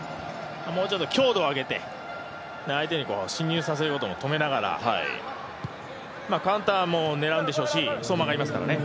もうちょっと強度を上げて、相手に侵入させることを止めながらカウンターも狙うんでしょうし相馬がいますからね。